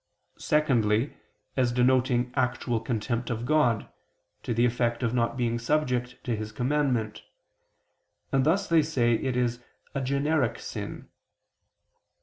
Secondly, as denoting actual contempt of God, to the effect of not being subject to His commandment; and thus, they say, it is a generic sin.